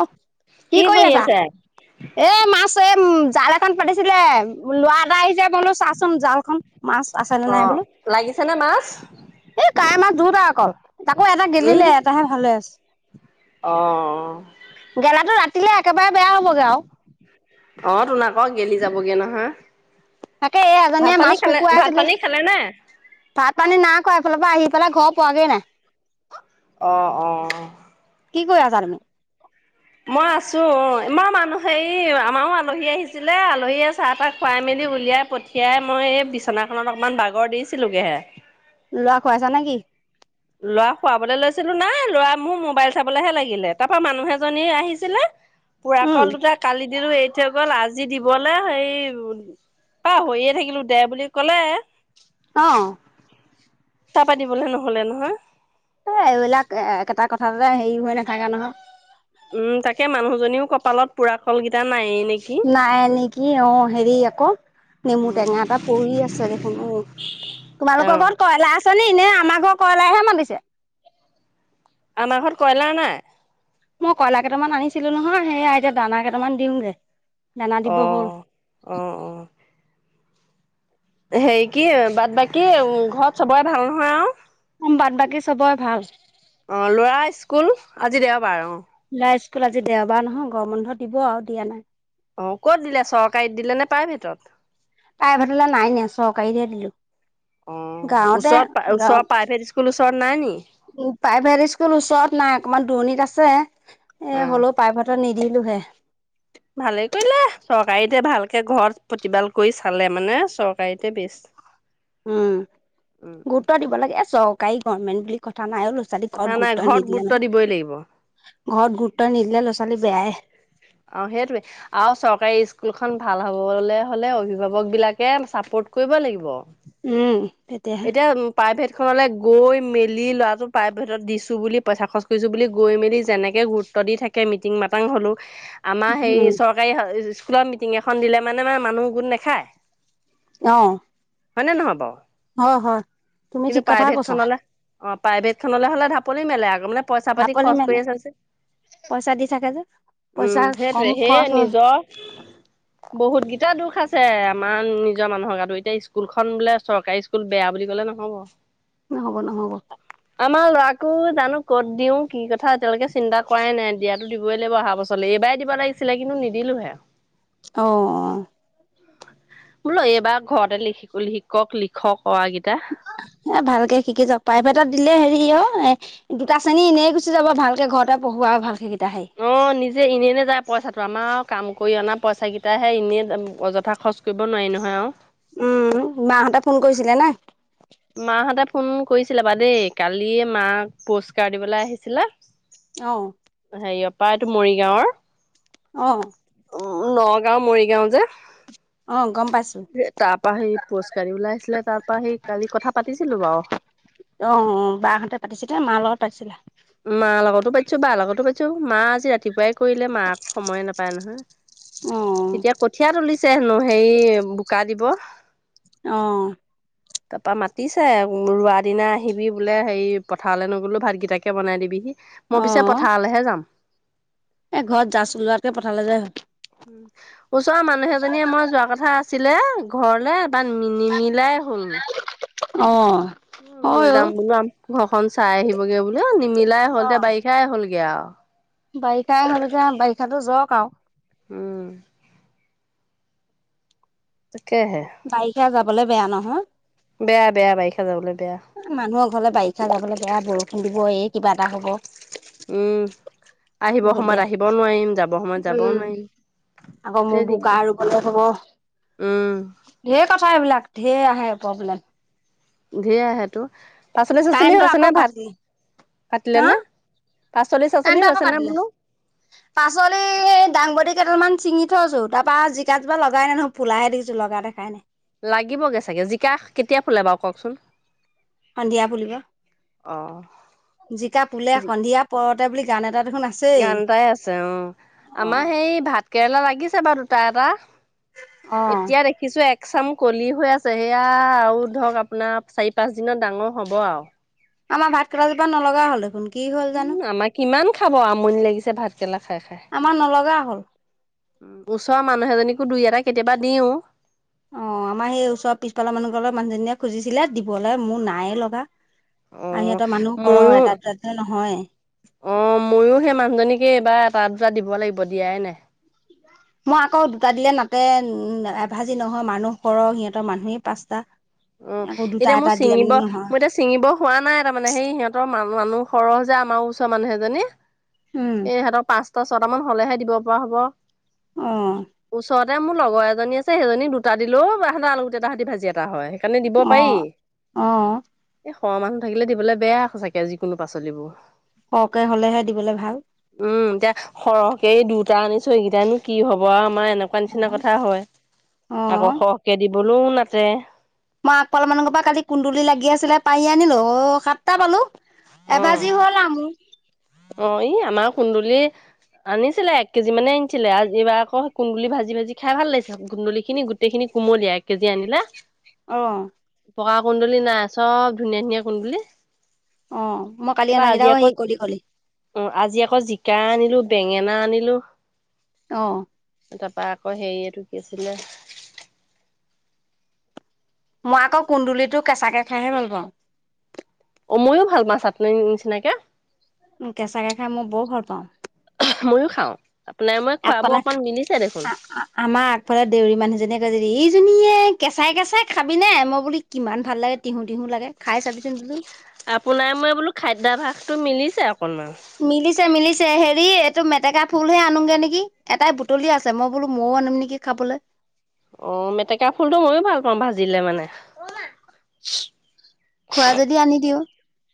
অ কি কৰি আছে? এ মাছ এই জাল এখন পাতিছিলে লৰা এটা আহিছে বোলো চাচোন জালখন। মাছ আছে নে নাই অ', বোলো। লাগিছেনে মাছ? তাইমাত দুোৰত অকল তাকো এটা গেলিলে এটাহে ভালে আছে। অ' অ' গেলাটো ৰাতিলে একেবাৰে বেয়া হবগে আৰু অ', তোন আকৌ গেলি যাবগে নহয়। তাকে এই ভাত এজনীয়ে পানী মাছ খালে, ভাত কুকুৰাইছিলে। পানী খালে নে? ভাত পানী না কোৱা এইফালৰ পৰা আহি পেলাই ঘৰ পোৱাগে নাই অ' অ' কি কৰি আছা তুমি? মই আছো ইমানাৰ মানুহ হেৰি আমাৰো আলহী আহিছিলে আলহীয়ে চাহ তাহ খুৱাই মেলি, উলিয়াই পঠিয়াই মই এই বিচনাখননত অকমান বাগৰ দিছিলোগে হে লোৱা খুৱাইছা নে কি? লৰা খুৱাবলৈ লৈছিলো নাই লৰা মোৰ মোবাইল চাবলৈহে লাগিলে তাৰ পৰাৰা মানুহ এজনী আহিছিলে, পুৰা উম কল দুটা কালি দিলো এই গ'ল আজি দিবলৈ হে পা হৈয়ে থাকিলো দে বুলি ক'লে, অ' ত পাতিবলে নহলে নহয়। এ এইবিলাক একেটা কথাতে হেৰি হৈ নাথাকে নহয়। উম তাকে মানুহজনীও কপালত পুৰা কলকেইটা নাই নাই নেকি। অ', হেৰি আকৌ নেমু টেঙা এটা পৰি আছে দেখোন। অ', তোমালোকৰ অ', ঘৰত কয়লা আছে নি? নে আমাৰ ঘৰৰ কয়লাইহে মাতিছে? আমাৰ ঘৰত কয়লা নাই৷ মই কইলা কেইটামান আনিছিলো নহয়, সেইয়াই এতিয়া দানা কেইটামান দিয়োগে অ', অ', অ'। হেৰি কি, বাট-বাকী ঘৰত চবৰে ভাল নহয় আৰু? বাদ বাকী চবৰে ভাল৷ অ লৰা স্কুল? আজি দেওবাৰ অঁ। ল'ৰা স্কুল আজি দেওবাৰ নহয়, গৰম বন্ধ দিব আৰু দিয়া নাই৷ অ ক'ত দিলে চৰকাৰীত দিলে নে প্ৰাইভেটত? প্ৰাইভেটলে নাই নিয়া, চৰকাৰীতে দিলো৷ অ', গাঁৱতে, ওচৰত ওচৰৰ গাঁৱতে প্ৰাইভেট স্কুল ওচৰত নাই নি? উ প্ৰাইভেট স্কুল ওচৰত নাই, অকমান দূৰণিত আছ ছে, এ হ'লেও প্ৰাইভেটত নিদিলোহে৷ ভালে কৰিলে চৰকাৰীতে ভালকে ঘৰত প্ৰতিপাল কৰি চালে মানে চৰকাৰীতে বেষ্ট। উম, উম, গুৰুত্ব দিব লাগে। এ চৰকাৰী গভমেন্ট বুলি কথা নাই অ', ল ল'ৰা-ছোৱালী কথা ঘৰত নাই গুৰুত্ব নিদিলে গুৰুত্ব নহয়, দিবই লাগিব ঘৰত গুৰুত্ব নিদিলে ল'ৰা-ছোৱালী বেয়াই অ সেইটোৱে আৰু চৰকাৰী স্কুলখন ভাল হবলৈ হলে অভিভাৱক বিলাকে চাপোৰ্ট কৰিব লাগিব। উম। তেতিয়াহে এতিয়া প্ৰাইভেট খনলৈ গৈ মেলি ল'ৰাটো প্ৰাইভেট দিছোঁ বুলি, পইচা খৰচ কৰিছোঁ, বুলি গৈ মেলি যেনেকৈ গুৰ ত্ব দি থাকে। মিটিং-মাতাং হ'লেও আমাৰ হেৰি উম চৰকাৰী ই-ই-স্কুলৰ মিটিং এখন দিলে মানে মে মানুহ গোট নেখায়। অ'। হয়নে নহয় বাও? অ', হয়। তুমি ঠিক কথাই কৈছা৷ খনলে অ প্ৰাইভেটখনলৈ হ'লে ঢাপলি মেলে আকৌ মানে পইচা পাতি ঢাপলি খৰচ মেলে কৰি আছে যে পইচা দি থাকে যে পইচা উম, কম হেইটোৱে, হেই খৰচ হয় নিজৰ বহুত গিটা দোষ আছে ছে আমাৰ নিজৰ মানুহৰ গাটো, এতিয়া স্কুলখন বোলে চৰকাৰী স্কুল বেয়া বুলি কলে নহ'ব৷ নহ'ব নহ'ব৷ [inaudible] আমাৰ ল'ৰাকো জানো ক'ত দিও, কি কথা এতিয়ালৈকে চিন্তা কৰাই নাই। দিয়াতো দিবই লাগিব অহা বছৰলে। এইবাৰ দিব লাগিছিলে কিন্তু নিদিলোহে৷ অ'। বোলো এইবাৰ ঘৰতে লিখ। শিকক, লিখক অৱাকেইটা এ ভালকে শিকি যাওক, প্ৰাইভেটত দিলে হেৰি অ এ দুটা শ্ৰেণী এনে গুচি যাব ভালকে ঘৰতে পঢ়ুৱা ভাল [inaudible] অ' নিজে এনে এনে যায় পইচাটো আমা আ কাম কৰি অনা পইচাকেইটাহে, এনেই অযথা খৰচ কৰিব নোৱাৰি নহয় আৰু৷ উম মাহঁতে ফোন কৰিছিলে নাই? মাহঁতে ফোন কৰিছিলে বা দেই৷ কালি মাক পুৰস্কাৰ দিবলৈ আহিছিলে অ হেৰিয়ৰ পৰা এইটো মৰিগাঁৱৰ অ'। নগাঁও মৰিগাঁও যে অ'। গম পাইছো তাৰ পৰা সেই পুৰস্কাৰ দিবসে আহিছিলে তাৰ পা সেই কালি কথা পাতিছিলো বাও। অ বাহঁতে পাতিছিলে মাৰ লগত পাতিছিলা। মা লগতো পাইতিছো বাৰ লগতো পাইছো মা আজি ৰাতিপুৱাই, কৰিলে মাক সময়ে নাপায় নহয় অ এতিয়া কঠিয় তুলি পছে হেনো হেৰি বোকা দিব। আহ, তাৰপা মাতিছে ৰোৱাৰ দিনা আহিবি বোলে হেৰি পথাৰলৈ নগ'লো ভাত কিটা কি? বনাই দিবিহি মই অ পিছে পথাৰলৈহে যাম এ ঘৰত জাাজ ওলোৱাতকে পঠালে যায় হল। উ ওচৰৰ মানুহ এজনীয়ে মই যোৱা কথা আছিলে ঘৰলে, ম নিমিলাই হ'ল অ' লৈ হয় যাম বোলো আম ঘৰখনন চাই আহিবগৈ বুলি অ নিমিলাই হ'ল অ এতিয়া বাৰিষাই হ'লগৈ গ বাৰিষাই হল যে বাৰিষাো যাওক আৰু, উম! কেহে, কাবলে বেয়া নহয়, বেয়া বেয়া বাইখা যাবলৈ বেয়া মানুহৰ ঘৰলে বাৰিষা যাবলে বেয়া বৰষুণ দিব এই কিবা এটা হব। উম আহিব বহুত বেয়া সময়ত আহিবও নোৱাৰিম যাব সময়ত যাবও উম, নোৱাৰিম। আকৌ মোৰ ধেৰ বোকা দিগদাৰ আৰু কতে থ উম হব ঢেৰ কথা এইবিলাক ঢেৰ আহে, প্ৰব্লেম ধে সেইটো পাচলি চাচলি কাৰেণ্টটো হৈছে নে আকৌ ভাত কাটিলে পাতিলে নে! পাচলি চাচলি কণ্টো আকৌ হৈছে নে পাতিলে বোলো পাচলি দাংবদী কেইদাল মান। চিঙি থৈছো তাৰ পৰাৰা জিকাোা লগাই নে নো ফুলাহে দেখিছো লগা দেখাই নাই, লাগিবগে চাগে জিকা কেতিয়া ফুলে বাৰু কওকচোন সন্ধিয়া পুলিব অ জিকা পুলে সন্ধিয়া পৰতে বুলি গান এটা, দেখোন আছেই গানটাই আছে অ অ আমাৰ সেই ভাত কেৰেলা লাগিছে বাৰু দুটা এটা, অ এতিয়া দেখিছো এক এক চাম কলি হৈ আছে সেয়া আৰু ধৰক আপোনাৰ চাৰি পাঁচ দিনত ডাঙৰ হ'ব আৰু আমাৰ ভাত কজোপা নলগা হলেন উম আমাক কিমান খাব আমনি লাগিছে ভাত খেলা, আমাৰ নলগা হ'ল। উ ওচৰৰ মানুহ এজনীকো দুই এটা কেতিয়াবা দিও। অ 'আমাৰ সেই ওচৰৰ পিছপালা মানুহৰ মানুহজনীয়ে খুজিছিলে দিবলৈলে মোৰ নায়ে লগা অ আহ সিহঁতৰ মানুহ কৰ ময়ো এটা দুটা নহয় অ ময়ো সেই মানুহজনীকে এইবাৰ এটা দুটা দিব লাগিব দিয়াই নাই মই আকৌ দুটা দিলে নাতে এভাজি নহয় মানুহ সৰহ সিহঁতৰ মানুহেই পাঁচটা। অ' আকৌ দুটা এতিয়া মোৰ এটা দিলে মানে ছিঙিব নহয় মোৰ এতিয়া ছিঙিব হোৱা নাই তাৰ মমানে সেই সিহঁতৰ মানুহ সৰহ যে আমাৰ ওচৰ মানুহ এজনী উম এই সিহঁতৰ পাচ টা ছটা মান হলেহে দিব পৰা হ'ব। অহ ততে মোৰ লগৰ এজনী আছে সেইজনী দুটা দিলেও আলুগুটি এটা সতি ভাজি এটা হয়। সেই কাৰণে দিব অ পাৰি অ সৰহ মানুহ থাকিলে দিবলৈ বেয়া যিকোনো পাচলিবোৰ সৰহকে হলেহে দিবলে ভাল। উম এতিয়া সৰহকে দুটা আনিছো এইকেইটানো কি হব। আমাৰ এনেকুৱা নিচিনা কথা হয় অ আকৌ সহকে দিবলৈও নাতে। মই আগফালৰ মানুৰ পৰা কালি কুন্দুলি লাগি আছিলে পাৰি আনিলো অ' সাতটা পালো অ এভাজি হ'ল আও মোৰ অ ই আমাৰ কুন্দুলিৰ আনিছিলে এক কেজি মানে আনিছিলে আজি এইবাৰ আকৌ কুন্দুলি ভাজি ভাজি খাই ভাল লাগিছে কুন্দুলি খিনি গোটেইখিনি কুমলীয়া এক কেজি আনিলা। অ ' পকা কুন্দুলি নাই চব ধুনীয়া ধুনীয়া কুন্দুলি অ' মই কালি তাৰপৰা অনা কেইটা আজি আকৌ কলি কলি অ' আজি আকৌ জিকা আনিলো বেঙেনা আনিলো অ ' তাৰপা আকৌ হেৰি এইটো কি আছিলে মই আকৌ কুন্দুলিিতো কেঁচাকে খাইহে ভাল পাওঁ অ ময়ো ভাল পাওঁ চাটনি নিচিনাকে কেঁচাকে খাই মই বৰ ভাল পাওঁ মইয়ো খাওঁ। আপোনাৰ মই খোৱাবোৰ আগফালে অকণ মিলিছে দেখোন। আমাৰ আগফালে দেউৰী মানুহ জনীয়ে কয় দেই জনীয়ে কেঁচাই কেঁচাই খাবি নে মই বুলি কিমান ভাল লাগে তিহু তিহু লাগে খাই চাবিচোন বচোন আপোনাৰ মই বোলো খাদ্যাভাসতটো মিলিছে অকনমান। মিলিছে মিলিছে। পিছে হেৰি এইটো মেটেকা ফুলহে আনোগে নেকি এটাই বুটলি আছে মই বোলো মইয়ও আনিম নেকি খাবলৈ। অ' মেটেকা ফুলটো ময়ো ভাল পাওঁ ভাজিলে মানে খোৱা যদি আনি দিওঁ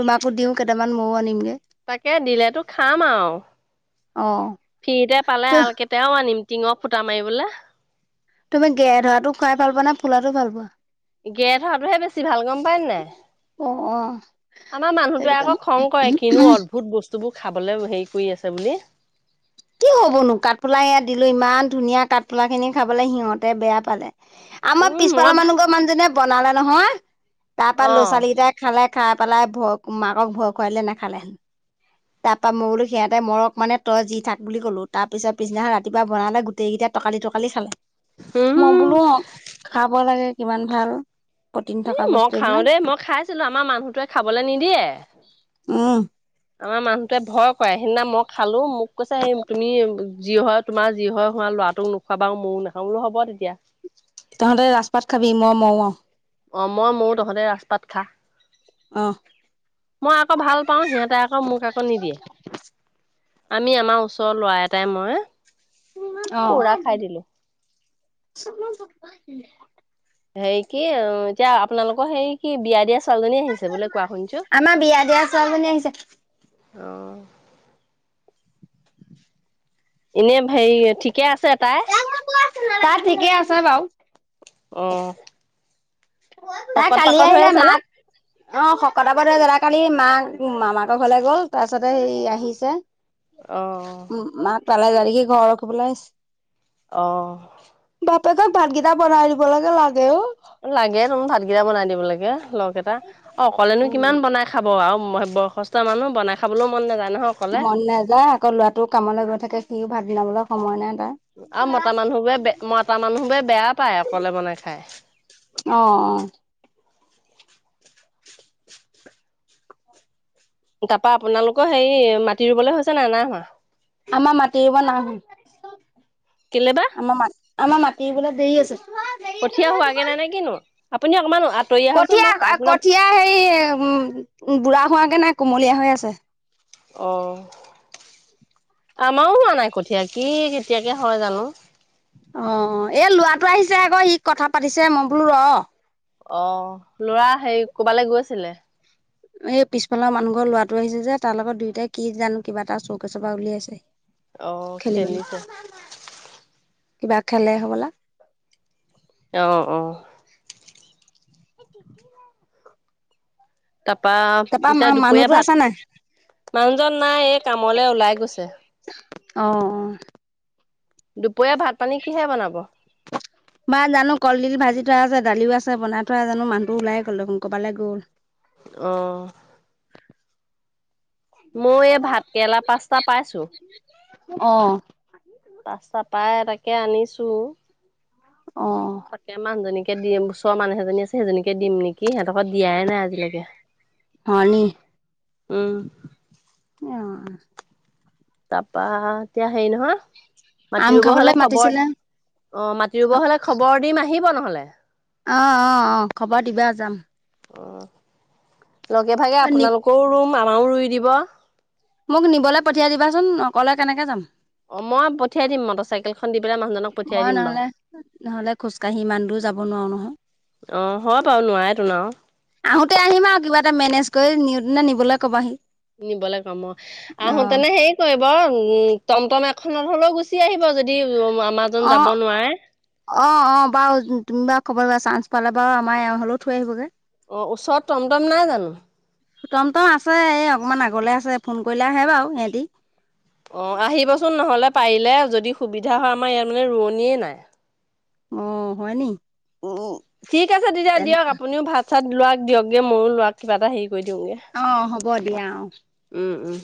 তোমাকো দিও কেইটামান ময়ও আনিমগে তাকে দিলেতো খাম আৰু অ'। ফিতে পালে আল কেটাৰাও আনিম টিঙৰ ফুটা মাৰিিবলৈ তুমি গে ধৰা খুৱাই ভাল পোৱা না ফোলাটো ভাল পোৱা গেট হোৱাটোহে বেছি ভাল গম পায় নাই অ', অ', আমাৰ সেইটো মানুহটোৱে আকৌ কাৰণে খং কৰে কিনো অদ্ভুত বস্তুবোৰ খাবলে হেৰি কৰি আছে বুলি কি হ'বনো কাঠফুলা ইয়াত দিলো ইমান ধুনীয়া কাঠফুলা খিনি খাবলৈ সিহঁতে বেয়া পালে আমাৰ উম পিছ মই পালৰ ভা মানুহ ঘৰ মানুহজনীয়ে বনালে নহয় তাৰ পৰাৰা অ ল'ৰা ছোৱালী কেইটাই খালে খাই পেলাই ভয় মাকক ভয় খুৱাইলেে নাখালেহেন তাৰ পৰাা মই বোলো সিহঁতে মৰক মানে তই যি থাকে। বুলি কলো তাৰ পিছ পিছ দিনা ৰাতিপুৱা বনালে গোটেই কেইটাই টকালি টকালি খালে মই উম বোলো অ' খাব লাগে কিমান ভাল। প্ৰটিন এ থকা মই বস্তু খাও এইবিলাক দেই মই খাইছিলো আমাৰ মানুহটোৱে খাবলৈ নিদিয়ে। অ' আমাৰ মানুহটোৱে ভয় কৰে সেইদিনা মই খালো মোক কৈছো স তুমি যি হয় তোমাৰ যি হয় হোৱাল ল'ৰাটোক নোখোৱাবা ময় নাখাওঁ বোলো হ'ব তেতিয়া তহঁতে ৰাজস পাত খাবি মই ম অ মই ম ও তহঁতে ৰাস পাত খা মই আকৌ ভাল পাওঁ সিহঁতে আকৌ মোক আকৌ নিদিয়ে আমি আমাৰ ওচৰৰ ল'ৰা এটাই মই পৌৰা খাই দিলো অ হেৰি কি এতিয়া আপোনালোকৰ হেৰি কি বিয়া দিয় আ ছোৱালীজনী আহিছে বোলে কোৱা আমাৰ বিয়া দিয়া ছোৱালীজনী আহিছে শুনিছো অ এনে হেৰি ঠিকে আছে তাই তাই ঠিকে আছো বাওঁ অ তাই শকত কালি পাকত হৈ আহিলে আছে মাক [unintelligible] কালি মাক মামাকৰ ঘৰলে গ'ল তাৰপিছতে সেই আহিছে আহ পালা গাৰকে ঘৰ ৰখিবলে। অহ, বাপেক ভাতকেইটা বনাই দিবলেকে লাগে অ, লাগে ভাতকেইটা বনাই দিবলেকে লগ এটা অকলেনো উম কিমান বনাই খাব আৰু বয়সস্থ মানুহ বনাই খাবলৈও মন নাযায় ন। মন নাযায় আকৌ ল'ৰাটোও কামলৈ গৈ থাকে সিও ভাত বনাবলৈ সময় নাই। তাৰ। আৰু মতা মানুহ বোৰে বে মতা মানুহবোৰে বেয়া পায় অকলে বনাই খায়। অ অ। তাৰপৰা আপোনালোকৰ হেৰি মাটি ৰুবলৈ হৈছেনে নাই হোৱা। আমাৰ মাটি ৰুব নাই হো কেলে বা আমাৰ মা আমাৰ মাটি ৰোবলে দেৰি আছে। [inaudible] কঠীয়া হোৱাগে নাই নে কিনো আপুনি অকমান আতৰি আহকচোন কঠীয়া মই আপোনাৰ কঠীয়া হেৰি উম বুঢ়া হোৱাগে নাই কুমলীয়া হৈ আছে। অ। আমাৰো হোৱা নাই কঠীয়া কি কেতিয়াকে হয় জানো। অ এই ল'ৰাটো আহিছে আকৌ সি কথা পাতিছে মই বোলো ৰ। অ ল'ৰা হেৰি কৰবালে গৈছিলে। এই পিছফালৰ মানুহ ঘৰৰ লৰাটো আহিছে যে তাৰ লগত দুয়োটাই কি জানো কিবা এটা চৌকেচৰ পৰা উলিয়াইছে। অহ খেলিবলৈ খেলিছে। কিবা খেলে হ'বলা। অ অ। তাৰপা তাৰপা এতিয়া দুপৰীয়া মানুহতো আছে নাই ভাত মানুহজন নাই এই কামলে ওলাই গৈছে। অ', অ', দুপৰীয়া ভাত-পানী কিহে বনাব? বা জানো কলডিল ভাজি থোৱা আছে দালিও আছে বনাই থোৱা জানো মানুহটো ওলায়ে গ'ল দেখোন কবালে গ'ল। অ', মই এই ভাত কেৰেলা পাঁচটা পাইছো। অ', চটাই তাকে আনিছো। অ', তাকে মানুহজনীকে দিম ওচৰ মানুহ এজনী আছে সেইজনীকে দিম নেকি সিহঁত [unintelligible] দিয়াই নাই আজিলৈকে হয় নি উম, অ', তাৰপা এতিয়া হেৰী নহয় আম মাটি ৰুব খাবলৈ হ'লে খবৰ মাতিছিলে অ, মাটি ৰুব হ'লে খবৰ দিম আহিব নহ'লে। অ', অ', অ', খবৰ দিবা যাম। অ, লগে ভাগে অ', নি আপোনালোকৰো ৰুম আমাৰো ৰুই দিব। মোক নিবলে পঠিয়াই দিবাচোন অকলে কেনেকে যাম? অ, মই পঠিয়াই দিম মটৰ চাইকেলখন দি পেলাই মানুহজনক পঠিয়াই মই দিম বাৰু। নহ'লে-নহ'লে খোজকাঢ়ি ইমান দূৰ যাব নোৱাৰো নহয়। অহ, হয় বাৰু নোৱাৰে তোন আৰু। যে মেনেজ কৰি নিউ দিনা নিবলে কবা আহি। নিবলে কম অ, আহোতেনে হেৰি কৰিব উম টমটম এখনত হ'লেও গুচি আহিব যদি আমাৰজন যাব অ' নোৱাৰে অ', অ', বাৰু তুমি বাৰু কবল দিবা চাঞ্চ পালে বাৰু আমাৰ এওঁ হ'লেও থৈ আহিবগে। অ' ওচৰত টমটম নাই জানো? টম টম আছে এই অকমান আগলে আছে ফোন কৰিলে আহে বাৰু সিহঁতি। অ' আহিবচোন ন'হলে পাৰিলে যদি সুবিধা হয় আমাৰ ইয়াত মানে ৰোৱনীয়ে নাই। অ' হয় নি? উম, ঠিক আছে তেতিয়া তেনে দিয়ক আপুনিও ভাত চাত ল'ৰাক দিয়কগে ময়ো ল'ৰাক কিবা এটা হেৰি কৈ দিওঁগে। অ', হ'ব দিয়া অ'। উম উম।